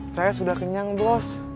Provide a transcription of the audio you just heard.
saya sudah kenyang bos